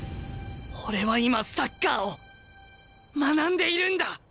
俺は今サッカーを学んでいるんだ！